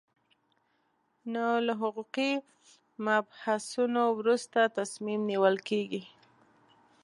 نو له حقوقي مبحثونو وروسته تصمیم نیول کېږي.